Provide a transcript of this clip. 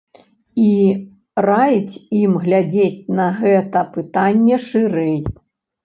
І раіць ім глядзець на гэта пытанне шырэй.